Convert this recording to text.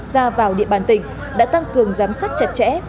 ra vào địa bàn tỉnh đã tăng cường giám sát chặt chẽ